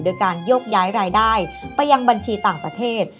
โดยการโยกย้ายรายได้ไปยังบัญชีต่างประเทศ